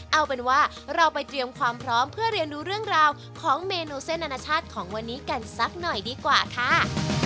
เอาเป็นว่าเราไปเตรียมความพร้อมเพื่อเรียนรู้เรื่องราวของเมนูเส้นอนาชาติของวันนี้กันสักหน่อยดีกว่าค่ะ